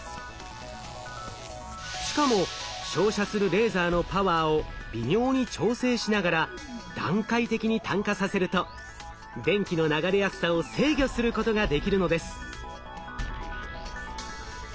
しかも照射するレーザーのパワーを微妙に調整しながら段階的に炭化させると電気の流れやすさを制御することができるのです。